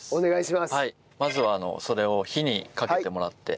まずはそれを火にかけてもらって。